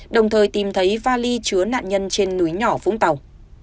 đi chứa nạn nhân trên núi nhỏ vũng tàu